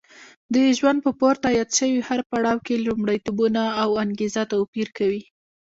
د ژوند په پورته یاد شوي هر پړاو کې لومړیتوبونه او انګېزه توپیر کوي.